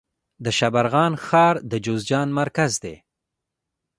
د شبرغان ښار د جوزجان مرکز دی